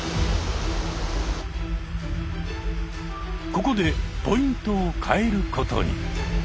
ここでポイントを変えることに。